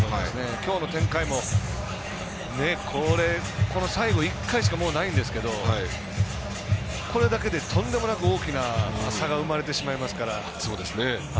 きょうの展開も最後１回しかないんですけどこれだけでとんでもなく大きな差が生まれてしまいますから。